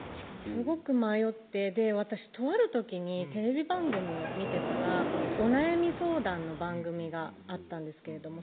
すごく迷って私とある時にテレビ番組を見てたらお悩み相談の番組があったんですけれども